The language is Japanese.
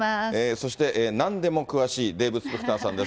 そして、なんでも詳しいデーブ・スペクターさんです。